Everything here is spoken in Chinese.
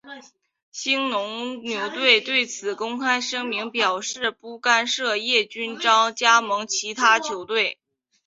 兴农牛队对此公开声明表示不干涉叶君璋加盟其他球队。